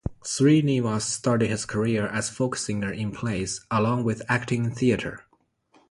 Srinivas started his career as folk singer in plays along with acting in theatre.